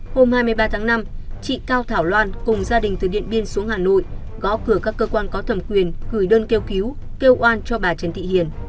hôm hai mươi ba tháng năm chị cao thảo loan cùng gia đình từ điện biên xuống hà nội gõ cửa các cơ quan có thẩm quyền gửi đơn kêu cứu kêu oan cho bà trần thị hiền